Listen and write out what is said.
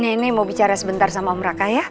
ini mau bicara sebentar sama om raka ya